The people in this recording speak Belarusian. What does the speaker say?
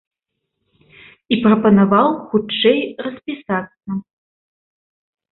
І прапанаваў хутчэй распісацца.